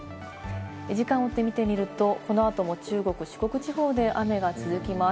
時間をおって見てみると、この後も中国・四国地方で雨が続きます。